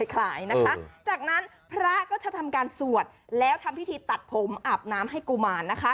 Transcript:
คล้ายนะคะจากนั้นพระก็จะทำการสวดแล้วทำพิธีตัดผมอาบน้ำให้กุมาร